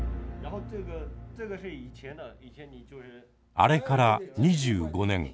あれから２５年。